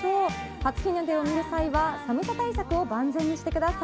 初日の出を見る際は寒さ対策を万全にしてください。